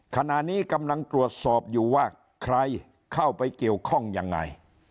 ขณะนี้กำลังตรวจสอบอยู่ว่าใครเข้าไปเกี่ยวข้องยังไง